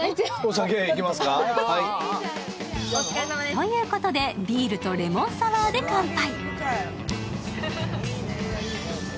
ということでビールとレモンサワーで乾杯。